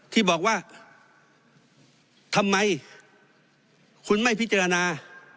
ที่บอกว่าทำไมคุณไม่พิจารณา